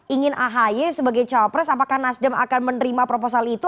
ingin ahy sebagai cawapres apakah nasdem akan menerima proposal itu